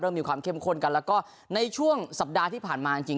มีความเข้มข้นกันแล้วก็ในช่วงสัปดาห์ที่ผ่านมาจริง